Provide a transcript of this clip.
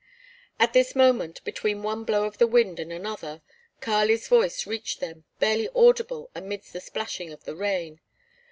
At this moment, between one blow of the wind and another, Kali's voice reached them, barely audible amidst the splashing of the rain.